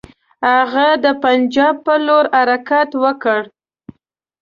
هغه د پنجاب پر لور حرکت وکړ.